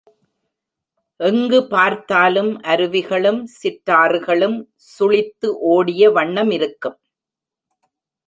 எங்கு பார்த்தாலும் அருவிகளும், சிற்றாறுகளும் சுழித்து ஓடிய வண்ணமிருக்கும்.